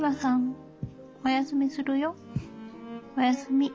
おやすみ。